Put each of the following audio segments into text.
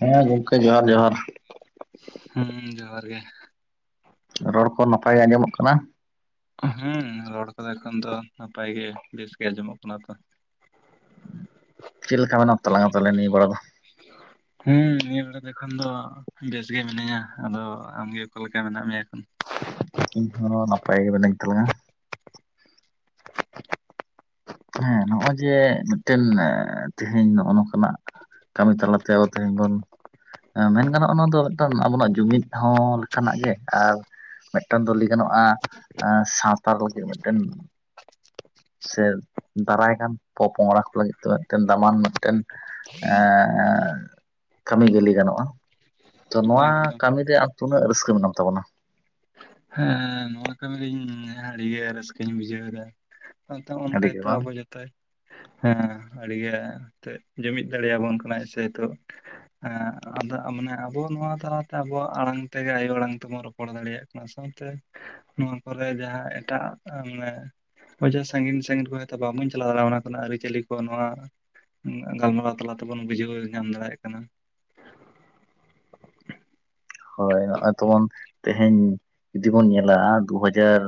ᱦᱮᱸ ᱜᱚᱝᱠᱮ ᱡᱚᱦᱟᱨ ᱡᱚᱦᱟᱨ᱾ ᱦᱩᱸ ᱡᱚᱸᱦᱟᱨ ᱜᱮ᱾ ᱨᱚᱲᱠᱚ ᱱᱟᱯᱟᱭ ᱜᱮ ᱟᱸᱡᱚᱢᱚᱜ ᱠᱟᱱᱟ? ᱦᱩᱸ ᱨᱚᱲ ᱠᱚᱫᱚ ᱮᱠᱷᱚᱱ ᱫᱚ ᱱᱟᱯᱟᱭ ᱜᱮ ᱵᱮᱥᱜᱮ ᱟᱸᱡᱚᱢᱚᱜ ᱠᱟᱱᱟ ᱛᱚ᱾ ᱪᱮᱫ ᱞᱮᱠᱟ ᱢᱮᱱᱟᱢ ᱛᱟᱞᱟᱝᱟ ᱛᱟᱞᱦᱮ ᱱᱤᱭᱟᱹ ᱵᱮᱲᱟ ᱫᱚ? [inaudible] ᱦᱩᱸ ᱱᱤᱭᱟᱹ ᱵᱮᱲᱟ ᱫᱚ ᱮᱠᱷᱚᱱ ᱫᱚ ᱵᱮᱥ ᱜᱮ ᱢᱤᱱᱟᱹᱧᱟ, ᱟᱫᱚ ᱟᱢᱜᱮ ᱚᱠᱟᱞᱮᱠᱟ ᱢᱮᱱᱟᱜ ᱢᱮᱭᱟ ᱮᱠᱷᱚᱱ? ᱤᱧᱦᱚᱸ ᱱᱟᱯᱟᱭ ᱜᱮ ᱢᱤᱱᱟᱹᱧ ᱛᱟᱞᱟᱝᱟ᱾ ᱦᱮᱸ ᱱᱚᱜᱼᱚᱭ ᱡᱮ ᱢᱤᱫᱴᱮᱱ ᱛᱤᱦᱤᱧ ᱱᱚᱜᱼᱚ ᱱᱚᱝᱠᱟᱱᱟᱜ ᱠᱟᱹᱢᱤ ᱛᱟᱞᱟᱛᱮ ᱟᱫᱚ ᱛᱮᱦᱮᱧ ᱵᱚᱱ ᱮᱸ ᱢᱮᱱ ᱜᱟᱱᱚᱜᱼᱟ ᱱᱚᱣᱟ ᱫᱚ ᱢᱤᱫᱴᱟᱱ ᱟᱵᱚᱱᱟᱜ ᱡᱩᱢᱤᱫ ᱦᱚᱸ ᱞᱮᱠᱟᱱᱟᱜ ᱜᱮ ᱟᱨ ᱢᱤᱫᱴᱮᱱ ᱫᱚ ᱞᱮᱭ ᱜᱟᱱᱚᱜᱼᱟ ᱮᱸ ᱥᱟᱶᱛᱟ ᱞᱟᱹᱜᱤᱫ ᱢᱤᱫᱴᱮᱱ ᱥᱮ ᱫᱟᱨᱟᱭ ᱠᱟᱱᱟᱱ ᱯᱚᱼᱯᱚᱝᱲᱟ ᱠᱚ ᱞᱟᱹᱜᱤᱫ ᱛᱮ ᱢᱤᱫᱴᱮᱱ ᱫᱟᱢᱟᱱ ᱢᱤᱫᱴᱮᱱ ᱮᱸᱻ ᱠᱟᱹᱢᱤ ᱜᱮ ᱞᱮᱭ ᱜᱟᱱᱚᱜᱼᱟ᱾ ᱛᱚ ᱱᱚᱣᱟ ᱮᱠᱫᱚᱢ ᱠᱟᱹᱢᱤ ᱨᱮ ᱟᱢ ᱛᱩᱱᱟᱹᱜ ᱨᱟᱹᱥᱠᱟᱹ ᱢᱮᱱᱟᱢ ᱛᱟᱵᱚᱱᱟ? ᱦᱮᱸ᱾ ᱱᱚᱣᱟ ᱠᱟᱹᱢᱤ ᱨᱮ ᱤᱧ ᱟᱹᱰᱤᱜᱮ ᱨᱟᱹᱥᱠᱟᱹᱧ ᱵᱩᱡᱷᱟᱹᱣᱮᱫᱟ ᱟᱹᱰᱤ ᱜᱮ ᱵᱟᱝ [inaudible] ᱟᱵᱚ ᱡᱷᱚᱛᱚᱭ ᱦᱮᱸ ᱟᱹᱰᱤᱜᱮ ᱛᱮᱫ ᱡᱩᱢᱤᱫ ᱫᱟᱲᱮᱭᱟᱵᱚᱱ ᱠᱟᱱᱟᱭ ᱥᱮᱭᱛᱚ᱾ ᱦᱮᱸ ᱟᱫᱚ ᱢᱟᱱᱮ ᱟᱵᱚ ᱱᱚᱣᱟ ᱛᱟᱞᱟᱛᱮ ᱟᱵᱚᱣᱟᱜ ᱟᱲᱟᱝ ᱛᱮᱜᱮ ᱟᱭᱳ ᱟᱬᱟᱝ ᱛᱮᱵᱚᱱ ᱨᱚ ᱯᱚᱬ ᱫᱟᱲᱮᱭᱟᱜ ᱠᱟᱱᱟ ᱥᱟᱸᱶᱛᱮ ᱱᱚᱣᱟ ᱠᱚᱨᱮ ᱡᱟᱦᱟᱸ ᱮᱴᱟᱜ ᱢᱟᱱᱮ ᱦᱚᱸᱜᱼᱚᱭ ᱡᱟᱦᱟᱸ ᱥᱟᱺᱜᱤᱱ ᱥᱟᱺᱤᱱ ᱠᱚ ᱦᱚᱭᱛᱳ ᱵᱟᱝᱵᱚᱱ ᱪᱟᱞᱟᱣ ᱫᱟᱲᱮᱭᱟᱜ-ᱟ ᱚᱱᱟ ᱠᱷᱨᱮᱱᱟᱜ ᱟᱹᱨᱤᱪᱟᱹᱞᱤ ᱠᱚ ᱱᱚᱣᱟ ᱩᱸ ᱜᱟᱞᱢᱟᱨᱟᱣ ᱛᱟᱞᱟ ᱛᱮᱵᱚᱱ ᱵᱩᱡᱷᱟᱹᱣ ᱧᱟᱢ ᱫᱟᱲᱮᱭᱟᱜ ᱠᱟᱱᱟ᱾ ᱦᱳᱭ ᱱᱚᱜ-ᱚᱭ ᱛᱚᱵᱚᱱ ᱛᱮᱦᱮᱧ ᱡᱩᱫᱤ ᱵᱚᱱ ᱧᱮᱞᱟ ᱫᱩ ᱦᱟᱡᱟᱨ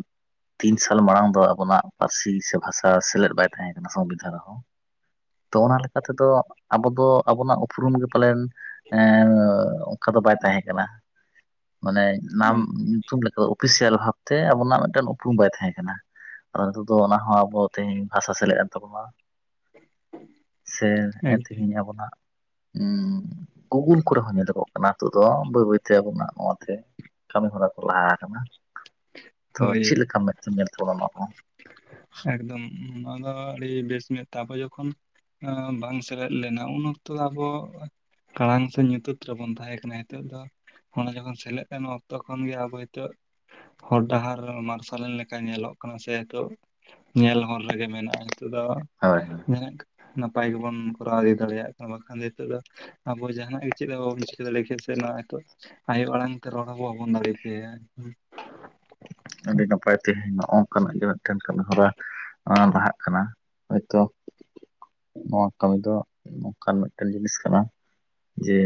ᱛᱤᱱ ᱥᱟᱞ ᱢᱟᱲᱟᱝᱫᱚ ᱟᱵᱚᱱᱟᱜ ᱯᱟᱹᱨᱥᱤ ᱥᱮ ᱵᱷᱟᱥᱟ ᱥᱮᱞᱮᱫ ᱵᱟᱭ ᱛᱟᱦᱮᱸ ᱠᱟᱱᱟ ᱥᱚᱝᱵᱤᱫᱷᱟᱱ ᱨᱮᱦᱚᱸ᱾ ᱛᱚ ᱚᱱᱟ ᱞᱮᱠᱟ ᱛᱮᱫᱚ ᱟᱵᱚᱫᱚ ᱟᱵᱚᱱᱟᱜ ᱩᱯᱨᱩᱢ ᱜᱮ ᱯᱟᱞᱮᱱ ᱮᱸ ᱚᱝᱠᱟᱫᱚ ᱵᱟᱭ ᱛᱟᱦᱮᱸ ᱠᱟᱱᱟ᱾ ᱢᱟᱱᱮ ᱱᱟᱢ ᱧᱩᱛᱩᱢ ᱞᱮᱠᱟ ᱚᱯᱷᱤᱥᱤᱭᱟᱞ ᱵᱷᱟᱵᱛᱮ ᱟᱵᱚᱱᱟᱜ ᱢᱤᱫᱴᱮᱱ ᱩᱯᱨᱩᱢ ᱵᱟᱭ ᱛᱟᱦᱮᱸ ᱠᱟᱱᱟ᱾ ᱟᱫᱚ ᱫᱚ ᱚᱱᱟᱦᱚᱸ ᱟᱵᱚ ᱛᱮᱦᱮᱧ ᱵᱷᱟᱥᱟ ᱥᱮᱞᱮᱫ ᱮᱱ ᱛᱟᱵᱚᱱᱟ᱾ [unintelligible] ᱥᱮ ᱮ ᱮᱠᱫᱚᱢ ᱛᱮᱦᱮᱧ ᱟᱵᱚᱱᱟᱜ ᱩᱸ ᱜᱩᱜᱩᱞ ᱠᱚᱨᱮᱦᱚᱸ ᱧᱮᱞᱚᱜᱚᱜ ᱠᱟᱱᱟ ᱤᱛᱳᱜᱫᱚ᱾ ᱵᱟᱹᱭ ᱵᱟᱹᱭᱛᱮ ᱟᱵᱚᱱᱟᱜ ᱚᱛᱮ ᱠᱟᱹᱢᱤ ᱦᱚᱨᱟ ᱠᱚ ᱞᱟᱦᱟ ᱟᱠᱟᱱᱟ ᱛᱚ ᱦᱳᱭ ᱪᱤᱫ ᱞᱮᱠᱟᱢ ᱢᱮᱫ ᱧᱮᱞ ᱛᱟᱵᱚᱱᱟ ᱚᱝ᱾ ᱮᱠᱫᱚᱢ ᱱᱚᱣᱟᱫᱚ ᱟᱹᱰᱤ ᱵᱮᱥ ᱛᱟᱯᱚ ᱡᱚᱠᱷᱚᱱ ᱟᱸ ᱵᱟᱝ ᱥᱮᱞᱮᱫ ᱞᱮᱱᱟ ᱩᱱ ᱚᱠᱛᱚ ᱟᱵᱚ ᱠᱟᱲᱟᱝ ᱥᱮ ᱧᱩᱛᱟᱹᱛ ᱨᱮᱵᱚᱱ ᱛᱟᱦᱮᱸ ᱠᱟᱱᱟ ᱦᱮᱛᱚᱜ ᱫᱚ ᱚᱱᱟ ᱡᱚᱠᱷᱚᱱ ᱥᱮᱞᱮᱫ ᱚᱠᱛᱚᱠᱷᱚᱱ ᱜᱮ ᱟᱵᱚ ᱦᱤᱛᱳᱜ ᱦᱚᱨ ᱰᱟᱦᱟᱨ ᱢᱟᱨᱥᱟᱞᱮᱱ ᱞᱮᱠᱟ ᱧᱮᱞᱚᱜ ᱠᱟᱱᱟ ᱥᱮ ᱥᱮᱤᱛᱚᱜ᱾ ᱧᱮᱞ ᱦᱚᱨ ᱨᱮᱜᱮ ᱢᱮᱱᱟᱜᱼᱟ ᱱᱤᱛᱚᱜ ᱫᱚ ᱦᱳᱭ ᱦᱳᱭ ᱢᱟᱹᱱᱮᱜ ᱱᱟᱯᱟᱭ ᱜᱮᱵᱚᱱ ᱠᱚᱨᱟᱣ ᱤᱫᱤ ᱫᱟᱲᱮᱭᱟᱜ ᱠᱟᱱᱟ ᱵᱟᱠᱷᱟᱱ ᱫᱚ ᱱᱤᱛᱚᱜᱫᱚ ᱟᱵᱚ ᱡᱟᱦᱟᱱᱟᱜ ᱜᱮ ᱪᱮᱫ ᱦᱚᱸ ᱵᱟᱵᱟᱱ ᱪᱤᱠᱟ ᱫᱟᱲᱮᱭᱟᱜᱠᱮ ᱥᱮ ᱱᱚᱣᱟ ᱦᱤᱛᱚᱜ ᱟᱭᱚ ᱚᱲᱟᱝ ᱛᱮ ᱨᱚᱲᱦᱚᱸ ᱵᱚᱵᱚᱱ ᱫᱟᱲᱮ ᱠᱮᱭᱟ᱾ ᱟᱹᱰᱤ ᱱᱟᱯᱟᱭ ᱛᱮᱦᱮᱧ ᱱᱚᱼ ᱚᱝᱠᱟᱱᱟᱜ ᱜᱮ ᱢᱤᱫᱴᱮᱱ ᱠᱟᱹᱢᱤ ᱦᱚᱨᱟ ᱟᱸ ᱞᱟᱦᱟᱜ ᱠᱟᱱᱟ ᱦᱚᱭᱛᱚ ᱱᱚᱣᱟ ᱠᱟᱹᱢᱤ ᱫᱚ ᱱᱚᱝᱠᱟᱱ ᱢᱤᱫᱴᱮᱱ ᱡᱤᱱᱤᱥ ᱠᱟᱱᱟ ᱡᱮ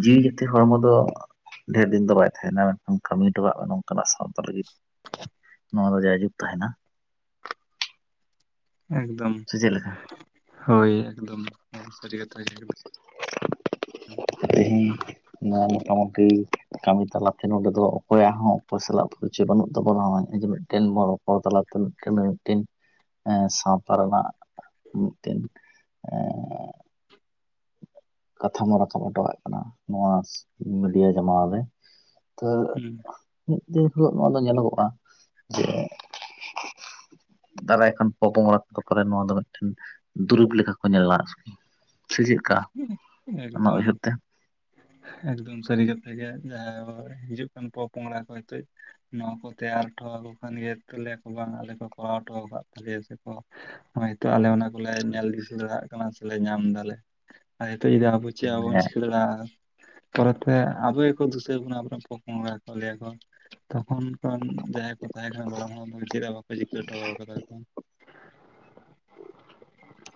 ᱡᱤᱣᱤ ᱡᱟᱹᱛᱤ ᱦᱚᱲᱢᱚ ᱫᱚ ᱰᱷᱮᱨ ᱫᱤᱱ ᱫᱚ ᱵᱟᱭ ᱛᱟᱦᱮᱱᱟ ᱠᱟᱹᱢᱤ ᱴᱚᱠᱟᱜ ᱢᱮ ᱱᱚᱝᱠᱟᱱᱟᱜ ᱥᱟᱶᱛᱟ ᱞᱟᱹᱜᱤᱫ [unintelligible] ᱱᱚᱣᱟᱫᱚ ᱡᱟᱭᱡᱩᱜᱽ ᱛᱟᱦᱮᱱᱟ᱾ ᱮᱠᱫᱚᱢ᱾ ᱥᱮ ᱪᱮᱫ ᱞᱮᱠᱟ? ᱦᱳᱭ ᱮᱠᱫᱚᱢ ᱱᱚᱣᱟᱫᱚ ᱥᱟᱹᱨᱤ ᱠᱟᱛᱷᱟ ᱜᱮ ᱮᱠ [unintelligible] ᱛᱮᱦᱮᱧ᱾ ᱱᱚᱣᱟ ᱢᱚᱴᱟᱢᱩᱴᱤ ᱠᱟᱹᱢᱤ ᱛᱟᱞᱟ ᱛᱮ ᱱᱚᱸᱰᱮ ᱫᱚ ᱚᱠᱚᱭᱟᱜ ᱦᱚᱸ ᱚᱠᱚᱭ ᱥᱟᱞᱟᱜ ᱯᱚᱨᱤᱪᱚᱭ ᱵᱟᱹᱱᱩᱜ ᱛᱟᱵᱚᱱᱟ ᱚᱭ ᱡᱮᱢ ᱴᱮᱱ ᱵᱚᱲ ᱨᱚᱯᱚᱲ ᱛᱟᱞᱟ ᱛᱮ ᱢᱤᱫᱴᱮᱱ ᱢᱤᱫᱴᱮᱱ ᱮ ᱥᱟᱶᱛᱟ ᱨᱮᱱᱟᱜ ᱢᱤᱫᱴᱮᱱ ᱮ ᱠᱟᱛᱷᱟᱢᱟ ᱨᱟᱠᱟᱵ ᱦᱚᱴᱚᱮᱫ ᱠᱟᱱᱟ ᱱᱚᱣᱟ ᱢᱤᱰᱤᱭᱟ ᱡᱟᱢᱟᱱᱟ ᱨᱮ ᱛᱚ ᱦᱩᱸ ᱾ ᱢᱤᱫ ᱫᱤᱱ ᱦᱤᱞᱳᱜ ᱱᱚᱣᱟ ᱫᱚ ᱧᱮᱞᱚᱜᱚᱜᱼᱟ ᱡᱮ ᱫᱟᱨᱟᱭ ᱠᱷᱚᱱ ᱯᱚᱼᱯᱚᱝᱲᱟ ᱠᱚᱫᱚ ᱯᱮ ᱱᱚᱣᱟ ᱫᱚ ᱢᱤᱫᱴᱮᱱ ᱫᱩᱨᱩᱵ ᱞᱮᱠᱟ ᱠᱚ ᱧᱮᱞᱟ ᱟᱨᱠᱤ ᱾ ᱮᱠᱫᱚᱢ᱾ ᱩᱭᱦᱟᱹᱨ ᱛᱮ ᱮᱠᱫᱚᱢ ᱥᱟᱹᱨᱤ ᱠᱟᱛ ᱜᱮ ᱡᱟᱦᱟᱸ ᱦᱤᱡᱩᱜ ᱠᱟᱱ ᱯᱚᱼᱯᱚᱝᱲᱟ ᱠᱚ ᱱᱤᱛᱚᱜ ᱱᱚᱣᱟ ᱠᱚ ᱛᱮᱭᱟᱨ ᱦᱚᱴᱚ ᱠᱚ ᱠᱷᱟᱱ ᱜᱮ ᱛᱟᱞᱮᱭᱟ ᱠᱚ ᱵᱟᱝ ᱟᱞᱮ ᱠᱚ ᱠᱚᱨᱟᱣ ᱦᱚᱴᱚ ᱠᱟᱜ ᱛᱟᱞᱮᱭᱟ ᱥᱮ ᱠᱚ ᱦᱚᱭ ᱦᱳᱭᱛᱚ ᱟᱞᱮ ᱚᱱᱟ ᱵᱚᱞᱮ ᱧᱮᱞ ᱰᱷᱤᱥᱩ ᱫᱟᱞᱮ ᱞᱟᱲᱟᱜ ᱠᱟᱱᱟ ᱥᱮᱞᱮ ᱧᱟᱢ ᱫᱟᱞᱮ ᱟᱨ ᱦᱤᱛᱚᱜ ᱟᱵᱚ ᱪᱮᱫ ᱟᱵᱚᱱ ᱦᱮᱸ ᱪᱤᱠᱟᱹ ᱫᱟᱲᱭᱟᱜᱼᱟ ᱾ ᱯᱚᱨᱮᱛ ᱛᱮ ᱟᱵᱚᱠᱚ ᱫᱩᱥᱟᱹᱭ ᱵᱚᱱᱟ ᱟᱵᱚ ᱨᱮᱱ ᱯᱚᱸᱜᱟ ᱠᱚ ᱞᱟᱹᱭ ᱟᱠᱚ ᱛᱚᱠᱷᱚᱱ ᱠᱷᱚᱱ ᱡᱟᱦᱟᱸᱭ ᱠᱚ ᱛᱟᱦᱮᱸ ᱠᱟᱱᱟ ᱜᱚᱲᱚᱢ ᱦᱟᱲᱟᱢ ᱵᱩᱲᱤ ᱪᱮᱫᱟᱜ ᱵᱟᱠᱚ ᱡᱤᱛᱟᱹᱣ ᱦᱚᱴᱚ ᱟᱠᱟᱫᱟ ᱠᱚ?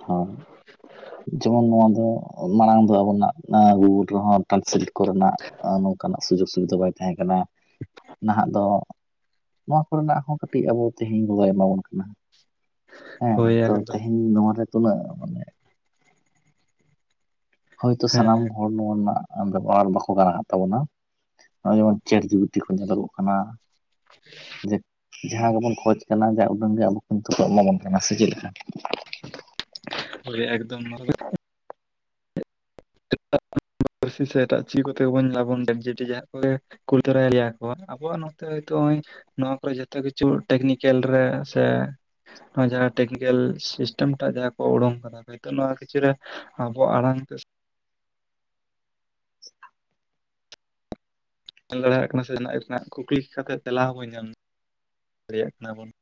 ᱦᱳᱭ ᱡᱮᱢᱚᱱ ᱱᱚᱣᱟ ᱫᱚ ᱢᱟᱲᱟᱝ ᱫᱚ ᱟᱵᱚᱱᱟᱜ-ᱟ ᱵᱷᱩᱞ᱾ ᱨᱮᱦᱚᱸ ᱛᱟᱞ ᱥᱟᱞᱤᱴ ᱠᱚ ᱨᱮᱱᱟᱜ ᱱᱚᱝᱠᱟᱱᱟᱜ ᱥᱩᱡᱳᱜᱽ ᱥᱩᱵᱤᱫᱷᱟ ᱵᱟᱭ ᱛᱟᱦᱮᱸ ᱠᱟᱱᱟ ᱱᱟᱦᱜ ᱫᱚ ᱱᱚᱣᱟ ᱠᱚ ᱨᱮᱱᱟᱜ ᱦᱚᱸ ᱠᱟᱹᱴᱤᱡ ᱟᱵᱚ ᱛᱮᱦᱮᱧ ᱜᱚᱫᱚᱭ ᱮᱢᱟᱵᱚᱱ ᱠᱟᱱᱟ ᱾ ᱦᱮᱸ, ᱦᱳᱭ ᱛᱚ ᱮᱠᱫᱚᱢ ᱛᱮᱦᱮᱧ ᱱᱚᱣᱟ ᱨᱮ ᱛᱤᱱᱟᱹᱜ ᱮᱢ ᱦᱳᱭᱛᱚ ᱥᱟᱱᱟᱢ ᱦᱮᱸ ᱦᱚᱲ ᱱᱚᱣᱟ ᱨᱮᱱᱟᱜ ᱵᱮᱵᱚᱦᱟᱨ ᱵᱟᱠᱚ ᱵᱟᱲᱟᱭᱮᱫ ᱛᱟᱵᱚᱱᱟ ᱾ ᱱᱚᱜᱼᱚᱭ ᱡᱮᱢᱚᱱ ᱪᱟᱹᱴᱡᱤᱵᱩᱴᱤ ᱠᱚ ᱧᱮᱞᱚᱜᱚᱜ ᱠᱟᱱᱟ ᱡᱮ ᱡᱟᱦᱟᱸ ᱜᱮᱵᱚᱱ ᱠᱷᱚᱡ ᱠᱟᱱᱟ ᱡᱟ ᱩᱰᱟᱹᱝ ᱜᱮ ᱟᱵᱚ ᱠᱤᱱᱛᱩ ᱠᱚ ᱮᱢᱟᱵᱚᱱ ᱠᱟᱱᱟ ᱾ ᱥᱮ ᱪᱮᱫ ᱞᱮᱠᱟ? ᱦᱳᱭ ᱮᱠᱫᱚᱢ ᱢᱨᱯ [inaudible] ᱾ [unintelligible] ᱯᱟᱨᱥᱤ ᱥᱮ ᱮᱴᱟᱜ ᱪᱮᱫ ᱠᱚ ᱠᱟᱛᱮ ᱵᱚᱱ ᱞᱟᱵᱚᱱ ᱡᱟ ᱡᱩᱴᱤ ᱡᱟᱦᱟᱸ ᱠᱚ ᱜᱮ ᱾ ᱠᱩᱞ ᱛᱚᱨᱟᱭ ᱞᱮᱭᱟ ᱠᱚ ᱟᱵᱚᱣᱟᱜ ᱱᱚᱛᱮ ᱛᱚ ᱦᱚᱸᱜᱼᱚᱭ ᱱᱚᱣᱟ ᱠᱚᱨᱮ ᱡᱚᱛᱚ ᱠᱤᱪᱷᱩ ᱴᱮᱠᱱᱤᱠᱮᱞ ᱨᱮ ᱥᱮ ᱱᱚᱣᱟ ᱡᱟᱦᱟᱸ ᱴᱮᱠᱱᱤᱠᱮᱞ ᱥᱤᱥᱴᱮᱢ ᱴᱟᱜ ᱡᱟᱦᱟᱸ ᱠᱚ ᱩᱰᱩᱝ ᱠᱟᱫᱟ ᱛᱚ ᱱᱚᱣᱟ ᱠᱤᱪᱷᱩ ᱟᱵᱚᱣᱟᱜ ᱟᱲᱟᱝ ᱛᱮ ᱧᱮᱞ ᱫᱟᱲᱮᱭᱟᱜ ᱠᱟᱱᱟ ᱥᱮ ᱚᱱᱟ ᱨᱮᱱᱟᱜ ᱠᱩᱠᱞᱤ ᱠᱟᱛᱮ ᱛᱮᱞᱟ ᱦᱚᱸᱵᱚᱱ ᱧᱟᱢ ᱫᱟᱲᱮᱭᱟᱜ ᱠᱟᱱᱟ ᱵᱚᱱ ᱾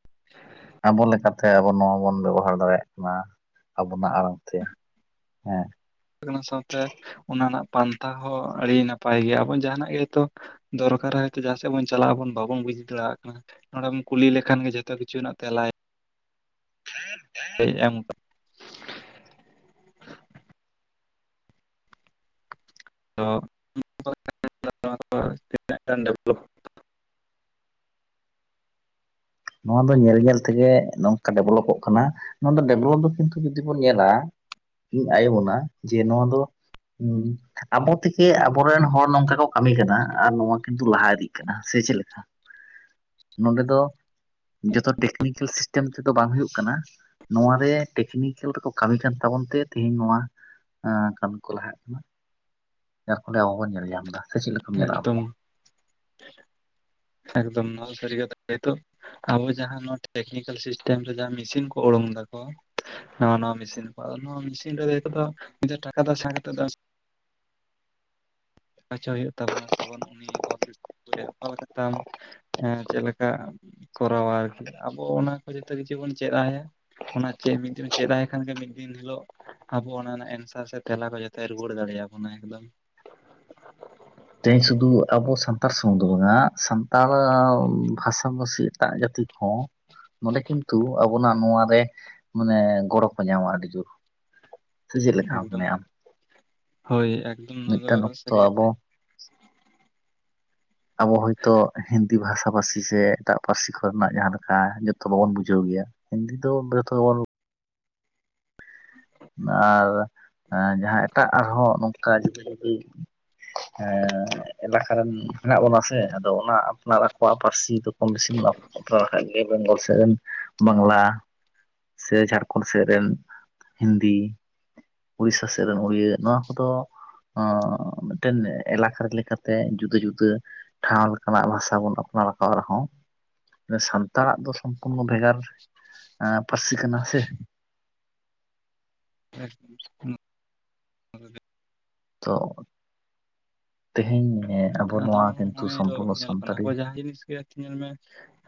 [inaudible] ᱟᱵᱚ ᱞᱮᱠᱟᱛᱮ ᱟᱵᱚ ᱱᱚᱣᱟ ᱵᱚᱱ ᱵᱮᱵᱚᱦᱟᱨ ᱫᱟᱲᱮᱭᱟᱜ ᱠᱟᱱᱟ ᱟᱵᱚᱱᱟᱜ ᱟᱲᱟᱝ ᱛᱮ ᱾ ᱦᱮᱸ ᱾ ᱠᱟᱱᱟ ᱥᱟᱶᱛᱮ ᱚᱱᱟ ᱨᱮᱱᱟᱜ ᱯᱟᱱᱛᱷᱟ ᱦᱚᱸ ᱟᱹᱰᱤ ᱱᱟᱯᱟᱭ ᱜᱮᱭᱟ, ᱟᱵᱚ ᱡᱟᱦᱟᱸᱱᱟᱜ ᱜᱮᱛᱚ ᱾ ᱫᱚᱨᱠᱟᱨᱼᱟ ᱦᱚᱭᱛᱳ ᱡᱟᱦᱟᱸ ᱥᱮᱫ ᱵᱚᱱ ᱪᱟᱞᱟᱜᱼᱟᱵᱚᱱ ᱵᱟᱵᱚᱱ ᱵᱩᱡ ᱫᱟᱲᱮᱭᱟᱜ ᱠᱟᱱᱟ ᱾ ᱱᱚᱸᱰᱮᱢ ᱠᱩᱞᱤ ᱞᱮᱠᱷᱟᱱ ᱜᱮ ᱡᱚᱛᱚ ᱠᱤᱪᱷᱩ ᱨᱮᱱᱟᱜ ᱛᱮᱞᱟᱭ [unintelligible] ᱦᱮᱡ ᱟᱢ ᱠᱟᱱᱟ ᱾ ᱫᱚ [inaudible] ᱾ ᱱᱚᱣᱟ ᱫᱚ ᱧᱮᱞ ᱧᱮᱞ ᱛᱮᱜᱮ ᱱᱚᱝᱠᱟ ᱰᱮᱵᱷᱞᱚᱯᱚᱜ ᱠᱟᱱᱟ, ᱱᱚᱣᱟ ᱫᱚ ᱰᱮᱵᱷᱞᱚᱯ ᱫᱚ ᱠᱤᱱᱛᱩ ᱡᱩᱫᱤ ᱵᱚᱱ ᱧᱮᱞᱟ ᱤᱧ ᱟᱭᱳ ᱵᱚᱱᱟ ᱡᱮ ᱱᱚᱣᱟ ᱫᱚ ᱩᱸ ᱾ ᱟᱵᱚ ᱛᱮ ᱜᱮ ᱟᱵᱚᱨᱮᱱ ᱦᱚᱲ ᱱᱚᱝᱠᱟ ᱠᱚ ᱠᱟᱹᱢᱤ ᱠᱟᱱᱟ ᱟᱨ ᱱᱚᱣᱟ ᱠᱤᱱᱛᱩ ᱞᱟᱦᱟ ᱤᱫᱤᱜ ᱠᱟᱱᱟ ᱾ ᱥᱮ ᱪᱮᱫᱞᱮᱠᱟ? ᱱᱚᱸᱰᱮ ᱫᱚ ᱡᱚᱛᱚ ᱴᱮᱠᱱᱤᱠᱮᱞ ᱥᱤᱥᱴᱮᱢ ᱛᱮᱫᱚ ᱵᱟᱝ ᱦᱩᱭᱩᱜ ᱠᱟᱱᱟ ᱾ ᱱᱚᱣᱟ ᱨᱮ ᱴᱮᱠᱱᱤᱠᱮᱞ ᱨᱮᱠᱚ ᱠᱟᱹᱢᱤ ᱠᱟᱱ ᱛᱟᱵᱚᱱ ᱛᱮ ᱛᱮᱦᱮᱧ ᱱᱚᱣᱟ ᱟᱸ ᱠᱟᱹᱢᱤ ᱠᱚ ᱞᱟᱦᱟᱜ ᱠᱟᱱᱟ ᱾ ᱮᱨ ᱯᱚᱨᱮ ᱟᱵᱚ ᱵᱚᱱ ᱧᱮᱞ ᱧᱟᱢ ᱮᱫᱟ ᱾ ᱮᱠᱫᱚᱢ ᱮᱠᱫᱚᱢ, ᱱᱚᱣᱟ ᱫᱚ ᱮᱠᱟᱫᱚᱢ ᱥᱟᱹᱨᱤ ᱠᱟᱛᱷᱟ ᱾ ᱟᱵᱚ ᱡᱟᱦᱟᱸ ᱱᱚᱣᱟ ᱴᱮᱠᱱᱤᱠᱮᱞ ᱥᱤᱥᱴᱮᱢ ᱨᱮ ᱡᱟᱦᱟᱸ ᱢᱮᱥᱤᱱ ᱠᱚ ᱩᱰᱩᱝ ᱫᱟᱠᱚ ᱾ ᱦᱮᱸ, ᱱᱚᱣᱟ ᱢᱮᱥᱤᱱ ᱠᱚ ᱱᱚᱣᱟ ᱢᱮᱥᱤᱱ ᱨᱮ ᱱᱤᱡᱮᱨ ᱴᱟᱠᱟ ᱫᱚ ᱥᱮᱬᱟ ᱠᱟᱛᱮ ᱫᱚ ᱦᱚᱪᱚ ᱦᱩᱭᱩᱜ ᱛᱟᱵᱚᱱᱟ ᱥᱮ ᱟᱵᱚᱱ ᱩᱱᱤ ᱦᱚᱨ ᱚᱠᱟᱞᱮᱠᱟ ᱛᱟᱢ ᱪᱮᱫ ᱞᱮᱠᱟ ᱠᱚᱨᱟᱣᱟ ᱟᱨᱠᱤ ᱟᱵᱚ ᱚᱱᱟ ᱠᱚ ᱡᱚᱛᱚ ᱠᱤᱪᱷᱩ ᱵᱚᱱ ᱪᱮᱫ ᱟᱭᱟ ᱾ ᱚᱱᱟ ᱪᱮᱫ ᱢᱤᱫᱤᱱ ᱪᱮᱫᱟᱭᱠᱷᱟᱱ ᱜᱮ ᱢᱤᱫ ᱫᱤᱱ ᱦᱤᱞᱳ ᱟᱵᱚ ᱚᱱᱟ ᱨᱮᱱᱟᱜ ᱮᱱᱥᱟᱨ ᱥᱮ ᱛᱮᱞᱟ ᱠᱚ ᱡᱚᱛᱚ ᱨᱩᱣᱟᱹᱲ ᱫᱟᱲᱮᱭᱟᱵᱚᱱᱟ ᱮᱠᱫᱚᱢ ᱾ ᱛᱮᱦᱤᱧ ᱥᱩᱫᱷᱩ ᱟᱵᱚ ᱥᱟᱱᱛᱟᱲ ᱥᱩᱢᱩᱝ ᱫᱚ ᱵᱟᱝᱸᱟ ᱥᱟᱱᱛᱟᱲ ᱵᱷᱟᱥᱟ ᱵᱷᱟᱜᱤ ᱮᱴᱟᱜ ᱡᱟᱹᱛᱤ ᱦᱚᱸ ᱱᱚᱰᱮ ᱠᱤᱱᱛᱩ ᱟᱵᱚᱱᱟᱜ ᱱᱚᱟᱨᱮ ᱢᱟᱱᱮ ᱜᱚᱲᱚ ᱠᱚ ᱧᱟᱢᱟ ᱟᱹᱰᱤ ᱡᱳᱨ ᱾ ᱥᱮ ᱪᱮᱫ ᱞᱮᱠᱟ ᱮᱠᱫᱚᱢ ᱢᱚᱱᱮᱼᱟ ᱟᱢ ᱦᱳᱭ ᱮᱠᱫᱚᱢ ᱱᱚᱣᱟ ᱫᱚ ᱢᱤᱫᱴᱮᱱ ᱚᱠᱛᱚ ᱥᱟᱹᱨᱤ ᱠᱟᱛᱷᱟ ᱟᱵᱚ ᱟᱵᱚ ᱦᱚᱳᱭᱛᱚ ᱦᱤᱱᱫᱤ ᱵᱷᱟᱥᱟᱵᱷᱟᱥᱤ ᱥᱮ ᱮᱴᱟᱜ ᱯᱟᱹᱨᱥᱤ ᱠᱚᱨᱮᱱᱟᱜ ᱡᱟᱦᱟᱸ ᱞᱮᱠᱟ ᱡᱚᱛᱚ ᱵᱟᱵᱚᱱ ᱵᱩᱡᱷᱟᱹᱣ ᱜᱮᱭᱟ, ᱦᱤᱱᱫᱤ ᱫᱚ ᱡᱚᱛᱚ ᱜᱮᱵᱚᱱ [inaudible] ᱟᱨ ᱡᱟᱦᱟᱸ ᱮᱴᱟᱜ ᱟᱨᱦᱚᱸ ᱱᱚᱝᱠᱟ ᱡᱩᱫᱟᱹ ᱡᱩᱫᱤ ᱦᱮᱸ ᱮᱞᱟᱠᱟ ᱨᱮᱱ ᱦᱮᱱᱟᱜ ᱵᱚᱱᱟ ᱥᱮ᱾ ᱟᱫᱚ ᱚᱱᱟ ᱟᱯ ᱟᱠᱚᱣᱟᱜ ᱯᱟᱹᱨᱥᱤ ᱫᱚ, ᱠᱚᱢ ᱵᱮᱥᱤ ᱠᱷᱟᱱᱡ ᱜᱮ ᱵᱮᱝᱜᱚᱞ ᱥᱮᱫ ᱨᱮᱱ᱾ [unintelligible] ᱵᱟᱝᱞᱟ, ᱥᱮ ᱡᱷᱟᱲᱠᱷᱚᱸᱱᱰ ᱥᱮᱫ ᱨᱮᱱ ᱦᱤᱱᱫᱤ, ᱩᱲᱤᱥᱟ ᱥᱮᱫ ᱨᱮᱱ ᱩᱲᱤᱭᱟᱹ ᱱᱚᱣᱟ ᱠᱚᱫᱚ ᱢᱤᱫᱴᱮᱱ ᱮᱞᱟᱠᱟ ᱨᱮ, ᱞᱮᱠᱟᱛᱮ ᱡᱩᱫᱟᱹ ᱡᱩᱫᱟᱹ ᱴᱷᱟᱶ ᱞᱮᱠᱟᱱᱟᱜ ᱵᱷᱟᱥᱟ ᱵᱚᱱ, ᱟᱯᱱᱟᱨ ᱟᱠᱟᱫ ᱨᱮᱦᱚᱸ ᱥᱟᱱᱛᱟᱲᱟᱜ ᱫᱚ, ᱥᱚᱢᱯᱩᱨᱱᱚ ᱵᱷᱮᱜᱟᱨ ᱯᱟᱹᱨᱥᱤ ᱠᱟᱱᱟ ᱥᱮ? ᱦᱮᱸ, ᱦᱩᱸ᱾ ᱛᱚ, ᱛᱮᱦᱮᱧ ᱟᱵᱚ ᱟᱫᱚ ᱱᱚᱣᱟ ᱠᱤᱱᱛᱩ ᱱᱚᱜᱼᱚᱭ ᱛᱚ ᱥᱚᱢᱯᱩᱨᱱᱚ ᱧᱮᱞᱜ ᱠᱟᱱᱟ, ᱥᱟᱱᱛᱟᱲᱤ ᱱᱚᱜᱚᱭ ᱡᱟᱦᱟᱸ ᱡᱤᱱᱤᱥ ᱜᱮ ᱧᱮᱞ ᱢᱮ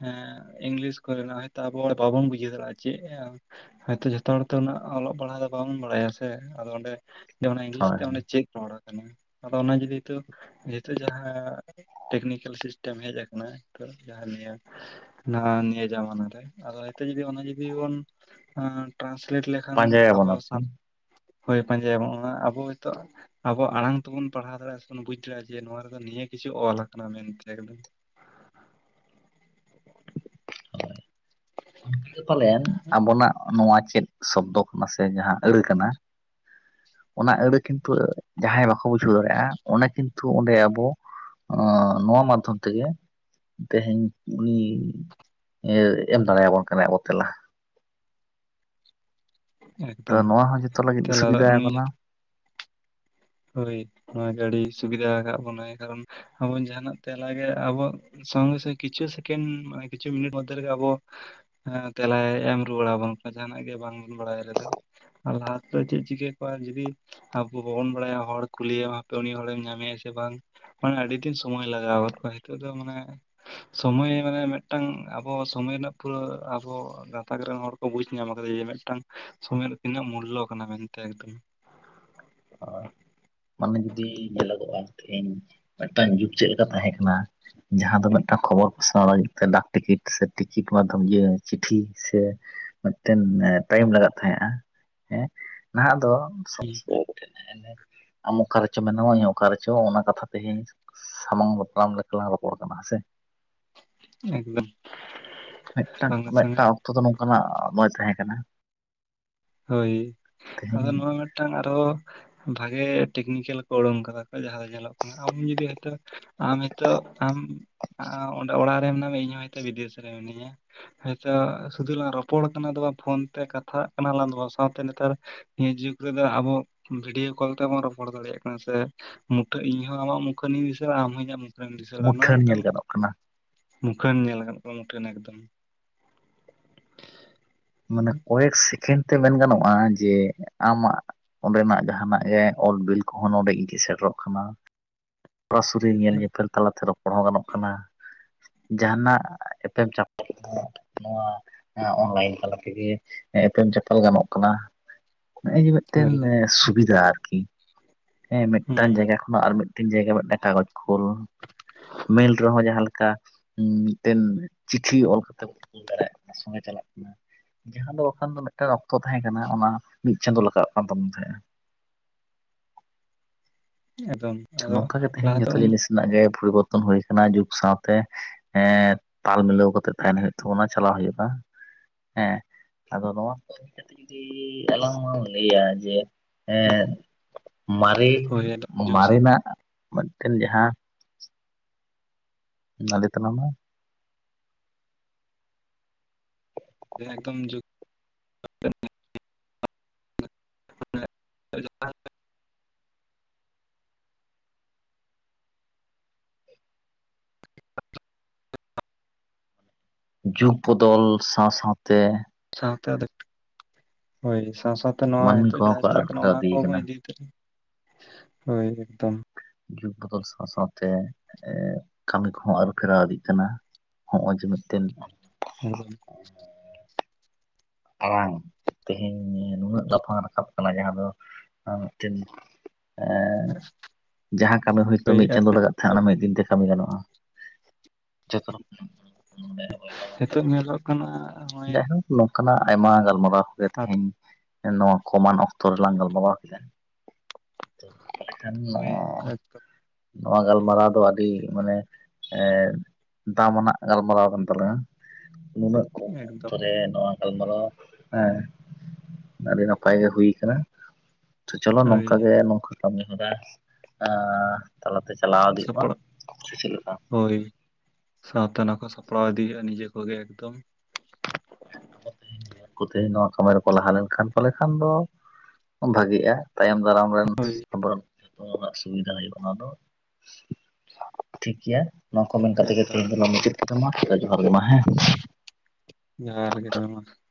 ᱮᱸ, ᱻ ᱤᱝᱞᱤᱥ ᱠᱚᱨᱮᱱᱟᱜ ᱦᱚᱭᱛ ᱟᱵᱚ ᱦᱚᱲ ᱵᱟᱵᱚᱱ ᱵᱩᱡᱷᱟᱹᱣ ᱫᱟᱲᱮᱭᱟᱜᱼᱟ᱾ ᱪᱮᱫ ᱦᱳᱭᱛᱚ ᱡᱚᱛᱚ ᱦᱚᱲᱛᱮ, ᱩᱱᱟᱹᱜ ᱚᱞᱚᱜ ᱯᱟᱲᱦᱟᱜ ᱫᱚ ᱵᱟᱚᱱ ᱵᱟᱲᱟᱭᱟ ᱥᱮ᱾ ᱟᱫᱚ ᱚᱸᱰᱮ ᱚᱱᱟ ᱤᱝᱞᱤᱥ ᱦᱳᱭ ᱛᱮ ᱚᱰᱮ ᱪᱮᱫ ᱨᱚᱲ ᱟᱠᱟᱱᱟ, ᱟᱫᱚ ᱚᱱᱟ ᱡᱩᱫᱤ ᱱᱤᱛᱚᱜ ᱱᱤᱛᱚᱜ ᱡᱟᱦᱟᱸ ᱴᱮᱠᱱᱤᱠᱮᱞ ᱥᱤᱥᱴᱮᱢ ᱦᱮᱡ ᱟᱠᱟᱱᱟ, ᱛᱚ ᱡᱟᱦᱟᱸ ᱱᱤᱭᱟᱹ ᱱᱟᱣᱟ ᱱᱤᱭᱟᱹ ᱡᱟᱢᱟᱱᱟ ᱨᱮ, ᱟᱫᱚ ᱱᱤᱛᱚᱜ ᱡᱩᱫᱤ ᱚᱱᱟ ᱡᱩᱫᱤ ᱵᱚᱱ, ᱟᱸ ᱴᱨᱟᱱᱥᱤᱞᱮᱴ ᱞᱮᱠᱷᱟᱱ ᱟᱵᱚ ᱯᱟᱸᱡᱟᱭᱟᱵᱚᱱ ᱟᱨᱠᱤ ᱥᱟᱱ ᱦᱳᱭ ᱯᱟᱸᱡᱟᱭᱟᱵᱚᱱ ᱚᱱᱟ ᱟᱵᱚ ᱦᱟᱭ ᱛᱚ, ᱟᱵᱚ ᱟᱲᱟᱝ ᱛᱮᱵᱚᱱ ᱯᱟᱲᱦᱟᱣ ᱫᱟᱲᱮᱭᱟᱜᱼᱟ, ᱥᱮ ᱵᱚᱱ ᱵᱩᱡ ᱫᱟᱲᱮᱭᱟᱜᱼᱟ᱾ ᱡᱮ ᱱᱚᱣᱟ ᱨᱮᱫᱚ ᱱᱤᱭᱟᱹ ᱠᱤᱪᱷᱩ ᱚᱞ ᱟᱠᱟᱱᱟ ᱢᱮᱱᱛᱮ ᱮᱠᱫᱚᱢ᱾ ᱚᱱᱠᱟᱜᱮ ᱯᱟᱞᱮᱱ ᱟᱵᱚᱱᱟᱜ ᱱᱚᱣᱟ ᱪᱮᱫ, ᱥᱚᱵᱫᱚ ᱠᱟᱱᱟ ᱥᱮ ᱡᱟᱦᱟᱸ ᱟᱹᱲᱟᱹ ᱠᱟᱱᱟ ᱚᱱᱟ ᱟᱹᱲᱟᱹ ᱠᱤᱱᱛᱩ, ᱡᱟᱦᱟᱸᱭ ᱵᱟᱠᱚ ᱵᱩᱡᱷᱟᱹᱣ ᱫᱟᱲᱮᱭᱟᱜᱼᱟ, ᱚᱱᱟ ᱠᱤᱱᱛᱩ ᱚᱸᱰᱮ ᱟᱵᱚ ᱚ, ᱱᱚᱣᱟ ᱢᱟᱫᱽᱫᱷᱚᱢ ᱛᱮᱜᱮ᱾ ᱛᱮᱦᱮᱧ ᱩᱱᱤ ᱤᱭᱟᱹ ᱮᱢ ᱫᱟᱲᱮᱭᱟᱵᱚᱱ ᱠᱟᱱᱟᱭ ᱟᱵᱚ ᱛᱮᱞᱟ᱾ ᱛᱚ ᱮᱠᱫᱚᱢ ᱱᱚᱣᱟ ᱦᱚᱸ ᱡᱚᱛᱚ ᱞᱟᱹᱜᱤᱫ ᱛᱮᱞᱟ ᱥᱩᱵᱤᱫᱷᱟ ᱱᱤᱭᱟᱹ ᱠᱟᱱᱟ᱾ ᱦᱳᱭ ᱱᱚᱣᱟ ᱜᱟᱹᱰᱤ ᱥᱩᱵᱤᱫᱷᱟ ᱟᱠᱟᱫ ᱵᱚᱱᱟᱭ, ᱠᱟᱨᱚᱱ ᱟᱵᱚ ᱡᱟᱦᱟᱱᱟᱜ ᱛᱮᱞᱟᱜᱮ ᱟᱵᱚᱣᱟᱜ ᱥᱚᱜᱮ ᱥᱮ ᱠᱤᱪᱩ ᱥᱮᱠᱮᱱᱰ, ᱢᱟᱱᱮ ᱠᱤᱪᱩ ᱢᱤᱱᱤᱴ ᱢᱳᱫᱷᱮ ᱨᱮᱜᱮ ᱟᱵᱚ ᱦᱮᱸ ᱛᱮᱞᱟᱭ ᱮᱢ ᱨᱩᱣᱟᱹᱲ ᱟᱵᱚᱱ ᱠᱟᱱᱟ, ᱡᱟᱦᱟᱱᱟᱜ ᱜᱮ ᱵᱟᱝ ᱵᱟᱲᱟᱭ ᱨᱮᱫᱚ᱾ ᱟᱨ ᱞᱟᱦᱟ ᱛᱮᱫᱚ, ᱪᱮᱫ ᱪᱤᱠᱟᱹ ᱠᱚᱜᱼᱟ ᱡᱚᱫᱤ ᱟᱵᱚ ᱵᱟᱵᱚᱱ ᱵᱟᱲᱟᱭᱟ ᱦᱚᱲ ᱠᱩᱞᱤᱭᱮᱢ ᱦᱟᱯᱮ ᱩᱱᱤ ᱦᱚᱲᱮᱢ ᱧᱟᱢᱮᱭᱟ ᱥᱮ ᱵᱟᱝ᱾ ᱢᱟᱱᱮ ᱟᱹᱰᱤ ᱫᱤᱱ ᱥᱚᱢᱚᱭ ᱞᱟᱜᱟᱣ ᱜᱚᱫ ᱠᱚᱜ-ᱟ, ᱱᱤᱛᱳᱜ ᱫᱚ ᱢᱟᱱᱮ ᱥᱚᱢᱚᱭ ᱢᱟᱱᱮ ᱢᱤᱫᱴᱟᱝ ᱟᱵᱚ ᱥᱚᱢᱚᱭ ᱨᱮᱱᱟᱜ ᱯᱩᱨᱟᱹ, ᱟᱵᱚ ᱜᱟᱛᱟᱠ ᱨᱮᱱ ᱦᱚᱲ ᱵᱩᱡᱽ ᱧᱟᱢ ᱟᱠᱟᱫᱟ ᱡᱮ, ᱢᱤᱫᱴᱟᱝ ᱥᱚᱢᱚᱭ ᱨᱮ ᱛᱤᱱᱟᱹᱜ ᱢᱩᱞᱞᱚ ᱠᱟᱱᱟ ᱢᱮᱱᱛᱮ ᱮᱠᱫᱚᱢ᱾ ᱦᱭ ᱢᱟᱱᱮ ᱡᱩᱫᱤ ᱧᱮᱞᱚᱜᱚᱜᱼᱟ, ᱤᱧ ᱢᱤᱫᱴᱟᱝ ᱡᱩᱜᱽ ᱪᱮᱫ ᱞᱮᱠᱟ ᱛᱟᱦᱮᱸᱠᱟᱱᱟ? ᱡᱟᱦᱟᱸ ᱫᱚ ᱢᱤᱫᱴᱟᱝ ᱠᱷᱚᱵᱚᱨ ᱯᱟᱥᱱᱟᱣ ᱞᱟᱹᱜᱤᱫ ᱛᱮ, ᱰᱟᱠ ᱴᱤᱠᱤᱴ ᱥᱮ ᱴᱤᱠᱤᱴ ᱢᱟᱫᱽᱫᱷᱚᱢ ᱤᱭᱟᱹ ᱪᱤᱴᱷᱤ ᱥᱮ ᱢᱤᱫᱴᱮᱱ ᱴᱟᱭᱤᱢ ᱞᱟᱜᱟᱜ ᱛᱟᱦᱮᱸᱫᱼᱟ᱾ ᱦᱮᱸ ᱱᱟᱦᱟᱜ ᱫᱚ ᱥ ᱟᱢ ᱚᱠᱟ ᱨᱮᱪᱚ ᱢᱮᱱᱟᱢᱟ, ᱤᱧ ᱚᱠᱟ ᱨᱮᱪᱚ, ᱚᱱᱟ ᱠᱟᱛᱷᱟ ᱛᱮᱦᱮᱧᱼᱼ ᱥᱟᱢᱟᱝ ᱫᱟᱯᱨᱟᱨᱟᱢ ᱞᱮᱠᱟᱞᱟᱝ ᱨᱚᱯᱚᱲ ᱠᱟᱱᱟ ᱥᱮ᱾ ᱮᱠᱫᱚᱢ ᱢᱤᱫᱴᱟᱝ ᱥᱚᱸᱜᱮ ᱥᱚᱸᱜᱮ ᱢᱤᱫᱴᱟᱝ ᱚᱠᱛᱚ ᱫᱚ, ᱱᱚᱝᱠᱟᱱᱟᱜ ᱢᱚᱡ ᱛᱟᱦᱮᱸ ᱠᱟᱱᱟ᱾ ᱦᱳᱭ, ᱟᱫᱚ ᱛᱮᱦᱮᱧ ᱱᱚᱣᱟ ᱢᱤᱫᱴᱟᱝ ᱟᱨᱚ ᱵᱷᱟᱜᱮ ᱴᱮᱠᱱᱤᱠᱮᱞ ᱠᱚ, ᱳᱲᱳᱝ ᱠᱟᱫᱟ ᱠᱚ ᱡᱟᱦᱟᱸᱭ᱾ ᱧᱮᱞᱚᱜ ᱠᱟᱱᱟ ᱟᱢ ᱡᱩᱫᱤ, ᱦᱳᱭᱛᱚ ᱟᱢ ᱦᱤᱛᱚᱜ ᱟᱢ ᱚᱸᱰᱮ ᱚᱲᱟᱜ ᱨᱮ ᱢᱮᱱᱟᱜ ᱢᱮᱭᱟ, ᱤᱧ ᱦᱚᱸ ᱦᱚᱭᱛᱳ ᱵᱤᱫᱮᱥ ᱨᱮ ᱢᱤᱱᱟᱹᱧᱼᱟ᱾ ᱟᱪᱪᱷᱟ ᱥᱩᱫᱩ ᱞᱟᱝ ᱨᱚᱯᱚᱲ ᱠᱟᱱᱟ ᱫᱚ ᱰᱟᱝ, ᱯᱷᱳᱱ ᱛᱮ ᱠᱟᱛᱷᱟᱜ ᱠᱟᱱᱟ ᱞᱟᱝ ᱫᱚ ᱵᱟᱝ, ᱥᱟᱶᱛᱮ ᱱᱮᱛᱟᱨ ᱱᱤᱭᱟᱹ ᱡᱩᱜᱽ ᱨᱮᱫᱚ ᱟᱵᱚ, ᱵᱷᱤᱰᱭᱳ ᱠᱚᱞ ᱛᱮᱦᱚᱸ ᱵᱚᱱ ᱨᱚᱯᱚᱲ ᱫᱟᱲᱮᱭᱟᱜ ᱠᱟᱱᱟ ᱥᱮ᱾ ᱢᱩᱴᱟᱹᱱ ᱤᱧ ᱦᱚᱸ ᱟᱢᱟᱜ ᱢᱩᱠᱷᱟᱹᱱᱤᱧ ᱫᱤᱥᱟᱹᱭᱟ, ᱟᱢ ᱦᱚᱸ ᱤᱧᱟᱹᱜ ᱢᱩᱠᱷᱟᱹᱱᱮᱢ ᱫᱤᱥᱟᱹᱭᱟ, ᱟᱨ ᱱᱚᱣᱟ ᱢᱩᱴᱷᱟᱹᱱ ᱧᱮᱞ ᱢᱤᱫᱴᱟᱝ ᱜᱟᱱᱚᱜ ᱠᱟᱱᱟ ᱢᱩᱠᱷᱟᱹᱱ ᱧᱮᱞ ᱟᱠᱟᱫ ᱠᱚᱣᱟ ᱢᱩᱴᱷᱟᱹᱱ ᱮᱠᱫᱚᱢ᱾ ᱢᱟᱱᱮ ᱠᱚᱭᱮᱠ ᱥᱮᱠᱮᱱᱰ ᱛᱮ ᱢᱮᱱ ᱜᱟᱱᱚᱜ-ᱟ ᱡᱮ ᱟᱢᱟᱜ ᱚᱸᱰᱮᱱᱟᱜ ᱡᱟᱦᱟᱸᱱᱟᱜ ᱜᱮ ᱚᱞ ᱵᱤᱞ ᱠᱚᱦᱚᱸ ᱱᱚᱰᱮ ᱤᱫᱤ ᱥᱮᱴᱮᱨᱚᱜ ᱠᱟᱱᱟ ᱾ ᱥᱚᱨᱟ ᱥᱚᱨᱤ ᱧᱮᱞ ᱧᱮᱯᱮᱞ ᱛᱟᱞᱟᱛᱮ ᱨᱚᱯᱚᱲ ᱦᱚᱸ ᱜᱟᱱᱚᱜ ᱠᱟᱱᱟ᱾ ᱡᱟᱦᱟᱸᱱᱟᱜ ᱮᱯᱮᱢ ᱪᱟᱯᱟᱞ ᱱᱚᱣᱟ ᱮᱸᱜ ᱚᱱᱞᱟᱭᱤᱱ ᱛᱟᱞᱟ ᱛᱮᱜᱮ ᱮᱯᱮᱢ ᱪᱟᱯᱟᱞ ᱜᱟᱱᱚᱜ ᱠᱟᱱᱟ᱾ ᱱᱚᱸᱜ-ᱚᱭ ᱡᱮ ᱢᱤᱫᱴᱮᱱ ᱦᱳᱭ ᱥᱩᱵᱤᱫᱷᱟ ᱟᱨᱠᱤ᱾ ᱦᱮᱸ ᱢᱤᱫᱴᱮᱱ ᱦᱩᱸ ᱡᱟᱭᱜᱟ ᱠᱷᱚᱱᱟᱜ ᱟᱨ ᱢᱤᱫᱴᱮᱱ ᱡᱟᱭᱜᱟ ᱢᱤᱫᱴᱟᱝ ᱠᱟᱜᱚᱡ ᱠᱳᱞ ᱢᱮᱞ ᱨᱮᱦᱚᱸ ᱡᱟᱦᱟᱸ ᱞᱮᱠᱟ ᱢᱤᱫᱴᱮᱱ ᱪᱤᱴᱷᱤ ᱚᱞ ᱠᱟᱛᱮ ᱵᱚᱱ ᱠᱩᱞ ᱫᱟᱲᱮᱭᱟᱜ ᱠᱟᱱᱟ ᱥᱚᱸᱜᱮ ᱪᱟᱞᱟᱜ ᱠᱟᱱᱟ ᱾ ᱡᱟᱦᱟᱸ ᱫᱚ ᱵᱟᱠᱷᱟᱱ ᱫᱚ ᱢᱤᱫᱴᱟᱝ ᱚᱠᱛᱚ ᱛᱟᱦᱮᱸ ᱠᱟᱱᱟ ᱚᱱᱟ ᱢᱤᱫ ᱪᱟᱸᱫᱳ ᱞᱟᱜᱟᱜ ᱠᱟᱱ ᱛᱟᱵᱳᱱ ᱛᱟᱦᱮᱸᱫ ᱾ [unintelligible] ᱛᱟᱦᱮᱸᱜᱼᱟ ᱱᱚᱝᱠᱟ ᱜᱮ ᱛᱮᱦᱮᱧ ᱞᱟᱦᱟᱛᱮ ᱡᱚᱛᱚ ᱩᱱ ᱡᱤᱱᱤᱥ ᱨᱮᱱᱟᱜ ᱜᱮ ᱯᱚᱨᱤᱵᱚᱨᱛᱚᱱ ᱦᱩᱭ ᱟᱠᱟᱱᱟ ᱡᱩᱜᱽ ᱥᱟᱶᱛᱮ ᱾ ᱦᱮᱸ ᱛᱟᱞ ᱢᱤᱞᱟᱹᱣ ᱠᱟᱛᱮᱫ ᱛᱟᱦᱮᱸᱱ ᱦᱩᱭᱩᱜ ᱛᱟᱵᱚᱱᱟ ᱪᱟᱞᱟᱣ ᱦᱩᱭᱩᱜ-ᱟ ᱾ ᱦᱮᱸ ᱟᱫᱚ ᱱᱚᱣᱟ ᱠᱚ ᱮᱱᱛᱮᱫ ᱡᱩᱫᱤ ᱟᱞᱟᱝ ᱞᱟᱝ ᱞᱟᱹᱭᱟ ᱡᱮ ᱮᱸ ᱢᱟᱨᱮ ᱦᱳᱭ ᱟᱫᱚ ᱡᱩᱜᱽ ᱥᱟᱶ ᱢᱟᱨᱮᱱᱟᱜ ᱢᱤᱫᱴᱮᱱ ᱡᱟᱦᱟᱸ ᱢᱟ ᱞᱟᱹᱭ ᱛᱟᱞᱝ ᱢᱮ ᱮᱠᱫᱚᱢ ᱡᱩᱜ [unintelligible] ᱡᱩᱜᱽ ᱵᱚᱫᱚᱞ ᱥᱟᱶ ᱥᱟᱶᱛᱮ ᱥᱟᱶᱛᱮ ᱟᱫᱚ ᱦᱳᱭ ᱥᱟᱶ ᱥᱟᱶᱛᱮ ᱛᱚ ᱱᱚᱣᱟ ᱢᱟᱹᱱᱢᱤ ᱦᱤᱛᱚᱜ ᱠᱚᱦᱚᱸ ᱠᱚ ᱡᱟᱦᱟᱸ ᱪᱟᱞᱟᱜ ᱠᱟᱱᱟ ᱟᱹᱨᱩᱯᱷᱮᱨᱟᱣ ᱚᱱᱟ ᱤᱫᱤᱭ ᱠᱚᱵᱚᱱ ᱠᱟᱱᱟ ᱤᱫᱤ ᱩᱛᱟᱹᱨᱟ ᱦᱳᱭ ᱮᱠᱫᱚᱢ ᱾ ᱡᱩᱜᱽ ᱵᱚᱫᱚᱞ ᱥᱟᱶ ᱥᱟᱶᱛᱮ ᱠᱟᱹᱢᱤ ᱠᱚᱦᱚᱸ ᱟᱹᱨᱩ ᱯᱷᱮᱨᱟᱣ ᱤᱫᱤᱜ ᱠᱟᱱᱟ ᱾ ᱦᱚᱸᱜ-ᱚᱭ ᱡᱮ ᱢᱤᱫᱴᱤᱱ [unintelligible] ᱟᱲᱟᱝ ᱛᱮᱦᱮᱧ ᱱᱩᱱᱟᱹᱜ ᱞᱟᱯᱷᱟᱝ ᱨᱟᱠᱟᱵ ᱠᱟᱱᱟ ᱡᱟᱦᱟᱸ ᱫᱚ ᱢᱤᱫᱴᱮᱱ ᱮᱸ ᱡᱟᱦᱟᱸ ᱠᱟᱹᱢᱤ ᱦᱳᱭᱛᱚ ᱦᱳᱭ ᱢᱤᱫ ᱪᱟᱸᱫᱳ ᱞᱟᱜᱟᱜ ᱛᱟᱸᱦᱮᱫ ᱚᱱᱟ ᱢᱤᱫ ᱫᱤᱱᱛᱮ ᱠᱟᱹᱢᱤ ᱜᱟᱱᱚᱜ-ᱟ ᱡᱚᱛᱚ ᱨᱚᱠᱚᱢ᱾ ᱦᱤᱛᱳᱜ ᱧᱮᱞᱚᱜ ᱠᱟᱱᱟ ᱱᱚᱸᱜᱼᱚᱭ ᱱᱚᱝᱠᱟᱱᱼᱟᱜ ᱟᱭᱢᱟ ᱜᱟᱞᱢᱟᱨᱟᱣ ᱠᱚᱜᱮ ᱛᱮᱦᱮᱧ ᱱᱚᱣᱟ ᱠᱚᱢᱟᱱ ᱚᱠᱛᱚ ᱨᱮᱞᱟᱝ ᱜᱟᱞᱢᱟᱨᱟᱣ ᱠᱮᱫᱟ᱾ ᱮᱠᱷᱟᱱ ᱦᱳᱭ ᱱᱚᱣᱟ ᱜᱟᱞᱢᱟᱨᱟᱣ ᱫᱚ ᱟᱹᱰᱤ ᱢᱟᱱᱮ ᱮᱸ ᱫᱟᱢ ᱟᱱᱟᱜ ᱜᱟᱞᱢᱟᱨᱟᱣ ᱠᱟᱱ ᱛᱟᱞᱟᱝᱟ ᱱᱩᱱᱟᱹᱜ ᱮᱠᱫᱚᱢ ᱾ ᱮᱸᱜ ᱱᱚᱣᱟ ᱜᱟᱞᱢᱟᱨᱟᱣ ᱦᱮᱸ ᱟᱹᱰᱤ ᱱᱟᱯᱟᱭ ᱜᱮ ᱦᱩᱭ ᱠᱟᱱᱟ᱾ ᱛᱚ ᱪᱚᱞᱚ ᱦᱳᱭ ᱱᱚᱝᱠᱟ ᱜᱮ ᱱᱚᱝᱠᱟ ᱠᱟᱹᱢᱤ ᱦᱚᱨᱟ ᱛᱟᱞᱟᱛᱮ ᱪᱟᱞᱟᱣ ᱤᱫᱤᱜ ᱢᱟ ᱥᱟᱯᱲᱟᱜ ᱥᱮ ᱪᱮᱫ ᱞᱮᱠᱟ? ᱦᱳᱭ ᱥᱟᱶᱛᱮ ᱚᱱᱟᱠᱚ ᱥᱟᱯᱲᱟᱣ ᱤᱫᱤ ᱦᱩᱭᱩᱜ-ᱟ ᱱᱤᱡᱮ ᱠᱚᱜᱮ ᱮᱠᱫᱚᱢ᱾ ᱟᱠᱚ ᱠᱚ ᱛᱮᱦᱮᱧ ᱱᱚᱣᱟ ᱠᱟᱹᱢᱤ ᱨᱮᱠᱚ ᱞᱟᱦᱟ ᱞᱮᱱᱠᱷᱟᱱ ᱯᱟᱞᱮ ᱠᱷᱟᱱ ᱫᱚ ᱵᱷᱟᱜᱤᱜ-ᱟ ᱛᱟᱭᱚᱢ ᱫᱟᱨᱟᱢ ᱨᱮᱱ ᱦᱳᱭ ᱟᱵᱚ ᱡᱚᱛᱚ ᱨᱮᱱᱟᱜ ᱥᱩᱵᱤᱫᱷᱟ ᱦᱩᱭᱩᱜ-ᱟ ᱚᱱᱟ ᱫᱚ ᱴᱷᱤᱠ ᱜᱮᱭᱟ᱾ ᱱᱚᱣᱟ ᱠᱚ ᱢᱮᱱ ᱠᱟᱛᱮ ᱜᱮ ᱮᱠᱫᱚᱢ ᱛᱮᱦᱮᱧ ᱫᱚᱞᱟᱝ ᱢᱩᱪᱟᱹᱫ ᱠᱟᱫᱟ ᱢᱟ ᱛᱚᱵᱮ ᱡᱚᱦᱟᱨ ᱜᱮ ᱢᱟ ᱦᱮᱸ ᱡᱚᱦᱟᱨ ᱜᱮ ᱦᱳᱭ ᱢᱟ ᱾